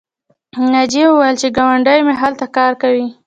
ناجیې وویل چې ګاونډۍ مې هلته کار کوي